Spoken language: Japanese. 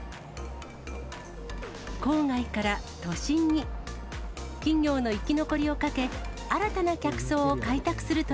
郊外から都心に、企業の生き残りをかけ、新たな客層を開拓する取